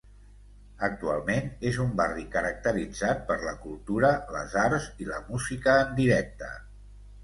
Actualment és un barri caracteritzat per la cultura, les arts, i la música en directe.